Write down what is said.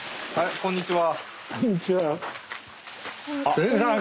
こんにちは。